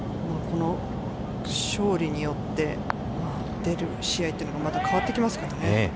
この勝利によって、出る試合というのがまた変わってきますからね。